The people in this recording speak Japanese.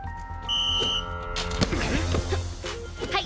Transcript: はい。